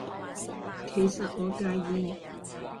其實我介意